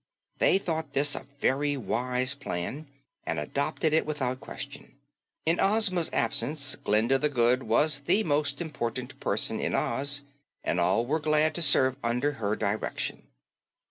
They thought this a very wise plan and adopted it without question. In Ozma's absence, Glinda the Good was the most important person in Oz, and all were glad to serve under her direction.